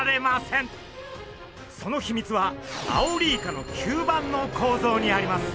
その秘密はアオリイカの吸盤の構造にあります。